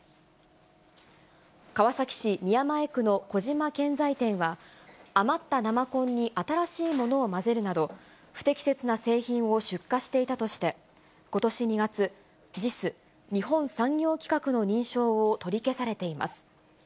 川崎市宮前区の小島建材店は、余った生コンに新しいものを混ぜるなど、不適切な製品を出荷していたとして、ことし２月、ＪＩＳ・日本産業規格の認証を取り消されています。